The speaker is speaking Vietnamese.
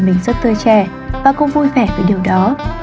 mình rất tươi trẻ và cũng vui vẻ với điều đó